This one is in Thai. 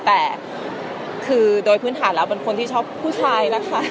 แต่คือโดยพื้นฐานแล้วเป็นคนที่ชอบผู้ชายนะคะ